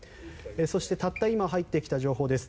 そして、たった今入ってきた情報です。